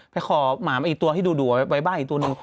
ไปขอหมาอีกตัวที่ดูไว้บ้านอีกตัวนึง